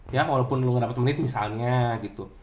ya walaupun lu gak dapet menit misalnya gitu